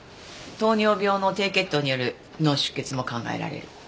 糖尿病の低血糖による脳出血も考えられる。